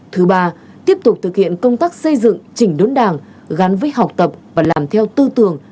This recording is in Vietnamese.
thứ ba tiếp tục thực hiện công tác xây dựng chỉnh đốn đảng gắn với học tập và làm theo tư tưởng